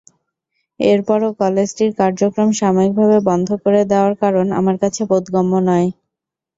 এরপরও কলেজটির কার্যক্রম সাময়িকভাবে বন্ধ করে দেওয়ার কারণ আমার কাছে বোধগম্য নয়।